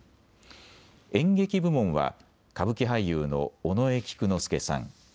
演劇部門は歌舞伎俳優の尾上菊之助さん。